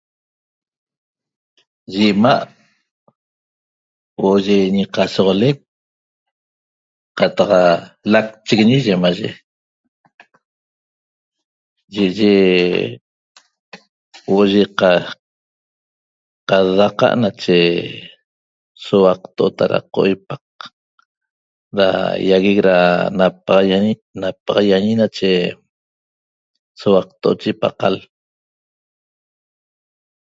Yi 'ima' huo'o yi ñiqasoxoc qataq lacchiguiñi yimaye yi'iye huo'o yi qad'daqa' nache souaqto'ot ara qoipaq ra ýaguec ra napaxaiañi nache souaqto'ot yi paqal